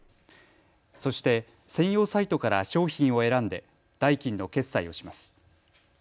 そして専用サイトから商品を選んで代金の決済をします。